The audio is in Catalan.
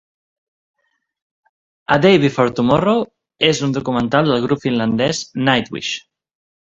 "A Day Before Tomorrow" és un documental del grup finlandès Nightwish.